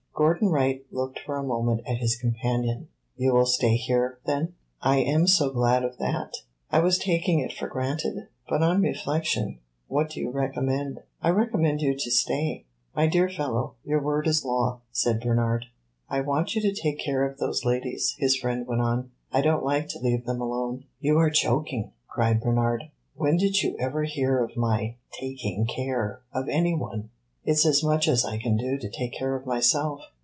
Gordon Wright looked for a moment at his companion. "You will stay here, then? I am so glad of that." "I was taking it for granted; but on reflection what do you recommend?" "I recommend you to stay." "My dear fellow, your word is law," said Bernard. "I want you to take care of those ladies," his friend went on. "I don't like to leave them alone." "You are joking!" cried Bernard. "When did you ever hear of my 'taking care' of any one? It 's as much as I can do to take care of myself."